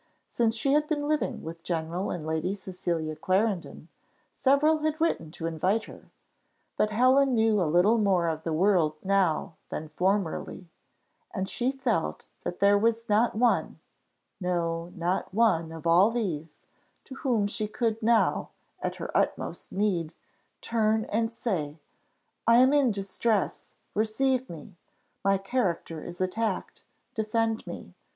Since she had been living with General and Lady Cecilia Clarendon, several had written to invite her; but Helen knew a little more of the world now than formerly, and she felt that there was not one, no, not one of all these, to whom she could now, at her utmost need, turn and say, 'I am in distress, receive me! my character is attacked, defend me!